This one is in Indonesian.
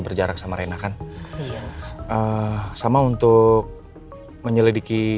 berjarak sama rena kan sama untuk menyelidiki